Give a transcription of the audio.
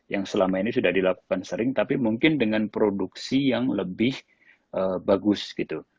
yang selama ini sudah dilakukan sering tapi mungkin dengan produksi yang lebih bagus gitu